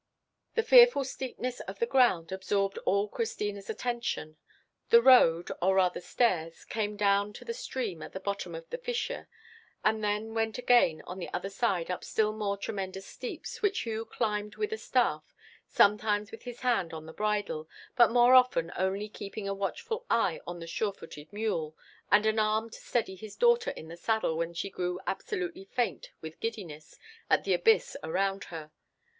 The fearful steepness of the ground absorbed all Christina's attention. The road, or rather stairs, came down to the stream at the bottom of the fissure, and then went again on the other side up still more tremendous steeps, which Hugh climbed with a staff, sometimes with his hand on the bridle, but more often only keeping a watchful eye on the sure footed mule, and an arm to steady his daughter in the saddle when she grew absolutely faint with giddiness at the abyss around her.